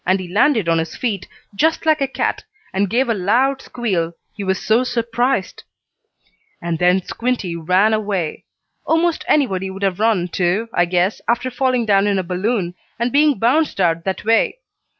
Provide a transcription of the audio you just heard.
He landed on his feet, just like a cat, and gave a loud squeal, he was so surprised. And then Squinty ran away. Almost anybody would have run, too, I guess, after falling down in a balloon, and being bounced out that way.